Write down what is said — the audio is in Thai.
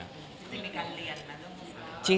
จริงแล้วมีการเรียนนะเรื่องอีสาน